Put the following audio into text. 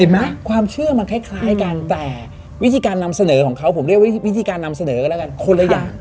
ความเชื่อมันคล้ายกันแต่วิธีการนำเสนอของเขาผมเรียกว่าวิธีการนำเสนอกันแล้วกันคนละอย่าง